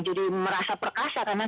jadi merasa perkara yang tidak baik